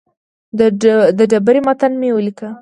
د ډبرې متن مې ولیکه.